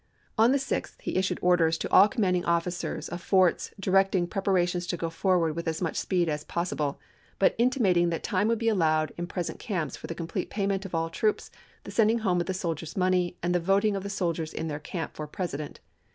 On the 6th he issued orders to THE MAECH TO THE SEA 479 all commanding officers of forts directing prepara chap.xx. tions to go forward with as much speed as possible, but intimated that time would be allowed in pres ent camps for the complete payment of all troops, the sending home of the soldiers' money, and the voting of the soldiers in their camp for President.